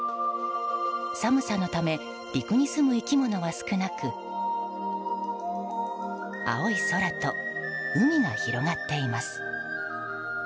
寒さのため陸にすむ生き物は少なく青い空と海が広がっています。